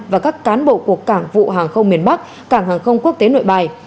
và các cán bộ của cảng vụ hàng không miền bắc cảng hàng không quốc tế nội bài